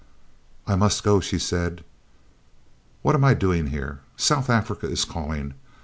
"I must go," she said. "What am I doing here? South Africa is calling.